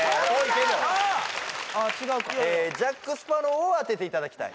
ああ違うかジャック・スパロウを当てていただきたい